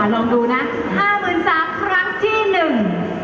ลองดูนะ๕๓๐๐๐ครั้งที่หนึ่ง